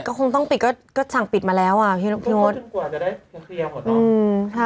ก็คงต้องปิดก็ช่างปิดมาแล้วอ่ะพี่โน๊ต